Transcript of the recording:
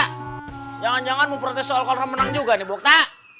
wokta jangan jangan mau protes soal kolam renang juga nih wokta